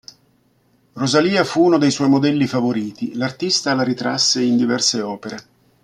Rosalia fu uno dei suoi modelli favoriti: l'artista la ritrasse in diverse opere.